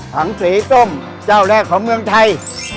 ถังสีส้มเจ้าแรกของเมืองไทย